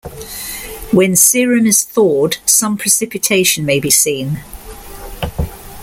When serum is thawed, some precipitation may be seen.